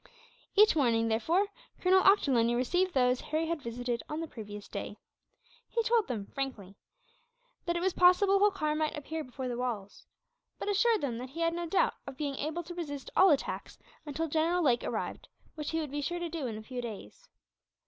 Each morning, therefore, Colonel Ochterlony received those Harry had visited on the previous day. He told them, frankly, that it was possible that Holkar might appear before the walls; but assured them that he had no doubt of being able to resist all attacks, until General Lake arrived, which he would be sure to do in a few days.